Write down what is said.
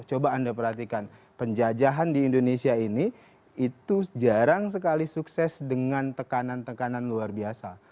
coba anda perhatikan penjajahan di indonesia ini itu jarang sekali sukses dengan tekanan tekanan luar biasa